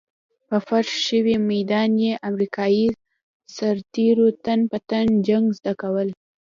په فرش شوي ميدان کې امريکايي سرتېرو تن په تن جنګ زده کول.